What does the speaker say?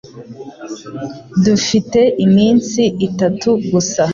Dufite iminsi itatu gusa